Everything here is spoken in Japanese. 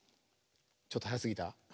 ちょっとはやすぎた？